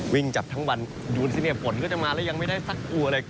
วิ่งจับทั้งวันดูสินซิเนี่ยฝนก็จะมาแล้วยังไม่ได้ซักตัวเลย